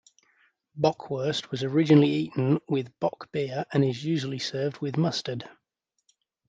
Bockwurst was originally eaten with bock beer and it is usually served with mustard.